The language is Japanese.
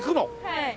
はい。